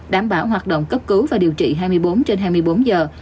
đảm bảo hoạt động cấp cứu và điều trị hai mươi bốn trên hai mươi bốn giờ